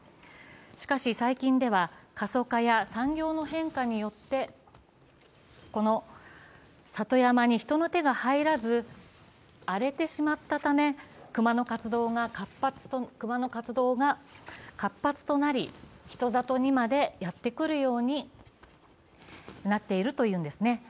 しかし最近では過疎化や産業の変化によって里山に人の手が入らず荒れてしまったため、熊の活動が活発となり、人里にまでやってくるようになっているというんですね。